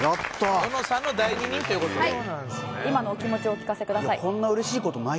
今のお気持ちをお聞かせください。